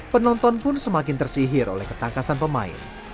penonton pun semakin tersihir oleh ketangkasan pemain